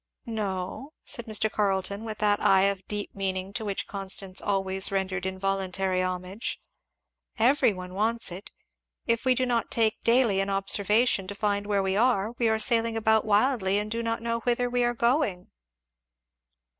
"No," said Mr. Carleton, with that eye of deep meaning to which Constance always rendered involuntary homage, "every one wants it; if we do not daily take an observation to find where we are, we are sailing about wildly and do not know whither we are going."